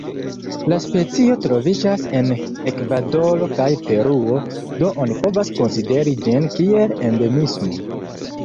La specio troviĝas en Ekvadoro kaj Peruo, do oni povas konsideri ĝin kiel endemismo.